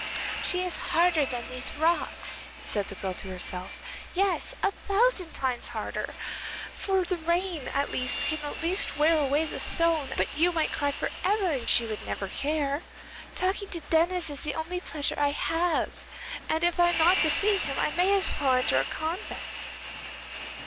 'She is harder than these rocks,' said the girl to herself, 'yes, a thousand times harder. For the rain at least can at last wear away the stone, but you might cry for ever, and she would never care. Talking to Denis is the only pleasure I have, and if I am not to see him I may as well enter a convent.